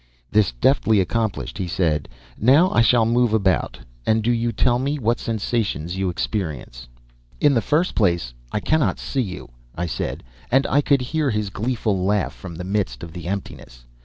This deftly accomplished, he said, "Now I shall move about, and do you tell me what sensations you experience." "In the first place, I cannot see you," I said, and I could hear his gleeful laugh from the midst of the emptiness.